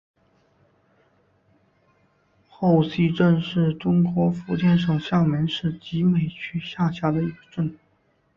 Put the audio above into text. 后溪镇是中国福建省厦门市集美区下辖的一个镇。